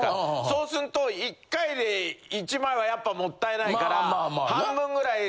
そうすると１回で１枚はやっぱもったいないから。